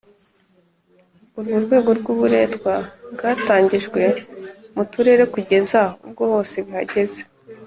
Urwo rwego rw’uburetwa bwatangijwe mu turere kugeza ubwo hose bihageze